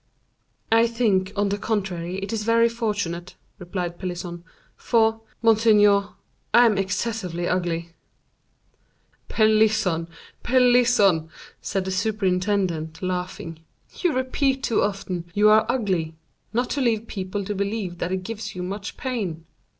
"I think, on the contrary, it is very fortunate," replied Pelisson, "for, monseigneur, I am excessively ugly." "Pelisson! Pelisson!" said the superintendent, laughing: "You repeat too often, you are 'ugly', not to leave people to believe that it gives you much pain."